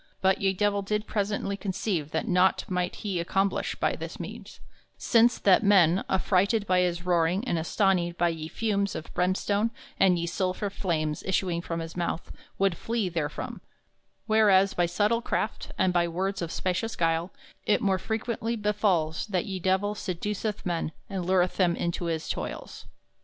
But ye Divell did presently conceive that naught might he accomplish by this means, since that men, affrighted by his roaring and astonied by ye fumes of brimstone and ye sulphur flames issuing from his mouth, wolde flee therefrom; whereas by subtile craft and by words of specious guile it more frequently befalls that ye Divell seduceth men and lureth them into his toils.